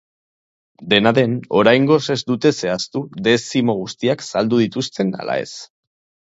Dena den, oraingoz ez dute zehaztu dezimo guztiak saldu dituzten ala ez.